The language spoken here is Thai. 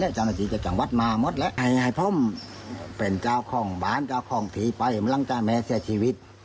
ได้จำหนิจะกับวัดมาหมดแล้วไหนพร่มเป็นเจ้าของบ้านต้องมีไปในพรั่งจานแม่เองแผ่ชีวิต